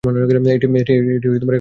এটি এখন পর্যন্ত চালু আছে।